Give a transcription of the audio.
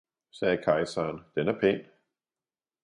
sagde Keiseren, den er pæn!